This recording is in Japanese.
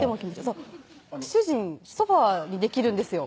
そう主人ソファーにできるんですよ